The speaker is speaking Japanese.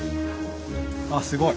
あすごい。